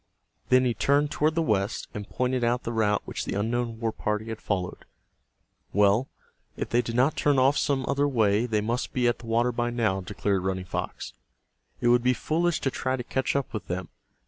Then he turned toward the west, and pointed out the route which the unknown war party had followed. "Well, if they did not turn off some other way they must be at the water by now," declared Running Fox. "It would be foolish, to try to catch up with them.